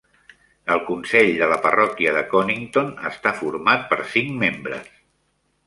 El consell de la parròquia de Conington està format per cinc membres.